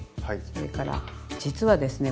それから実はですね